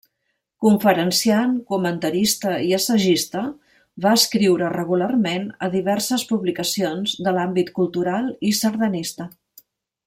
Conferenciant, comentarista i assagista, va escriure regularment a diverses publicacions de l'àmbit cultural i sardanista.